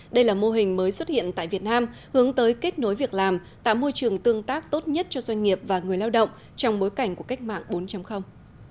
đây là mô hình mới xuất hiện tại việt nam hướng tới kết nối việc làm tạo môi trường tương tác tốt nhất cho doanh nghiệp và người lao động trong bối cảnh của cách mạng bốn